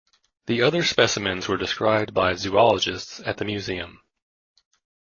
The other specimens were described by zoologists at the museum.